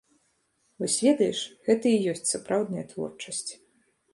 Вось ведаеш, гэта і ёсць сапраўдная творчасць.